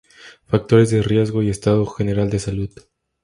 Factores de riesgo y estado general de salud.